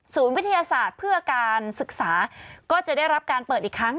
วิทยาศาสตร์เพื่อการศึกษาก็จะได้รับการเปิดอีกครั้ง